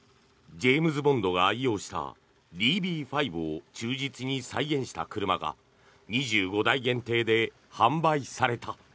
ジェームズ・ボンドが愛用したＤＢ５を忠実に再現した車が２５台限定で販売された。